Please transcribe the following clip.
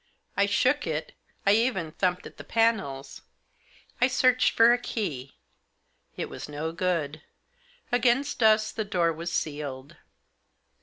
I shook it, I even thumped at the panels, I searched for a key ; it was no good. Against us the door was sealed.